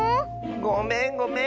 ごめんごめん。